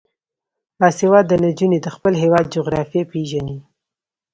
باسواده نجونې د خپل هیواد جغرافیه پیژني.